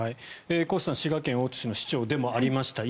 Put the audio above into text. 越さんは滋賀県大津市の市長でもありました。